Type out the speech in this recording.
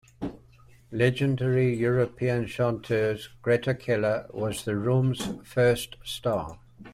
Legendary European chanteuse Greta Keller was the room's first star.